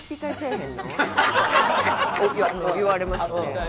言われまして。